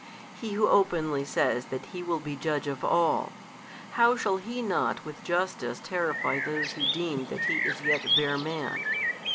He Who openly says that He will be Judge of all, how shall He not with justice terrify those who deem that He is yet bare Man?